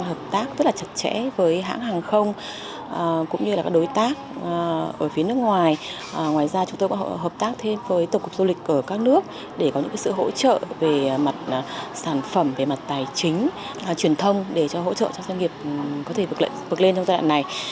hợp tác rất là chặt chẽ với hãng hàng không cũng như là các đối tác ở phía nước ngoài ngoài ra chúng tôi cũng hợp tác thêm với tổng cục du lịch ở các nước để có những sự hỗ trợ về mặt sản phẩm về mặt tài chính truyền thông để hỗ trợ cho doanh nghiệp có thể vượt lên trong giai đoạn này